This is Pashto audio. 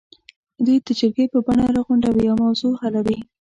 دوی د جرګې په بڼه راغونډوي او موضوع حلوي.